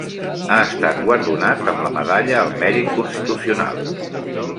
Ha estat guardonat amb la Medalla al Mèrit Constitucional.